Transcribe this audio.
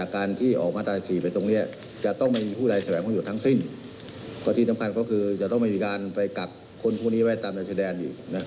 ข้อที่สำคัญก็คือจะต้องมีการไปกัดคนพวกนี้ไว้ตามจัดแดนอีก